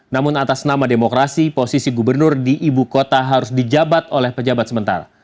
namun atas nama demokrasi posisi gubernur di ibu kota harus dijabat oleh pejabat sementara